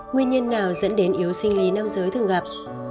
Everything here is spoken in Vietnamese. nguyên nhân nào dẫn đến yếu sinh lý nam giới thường gặp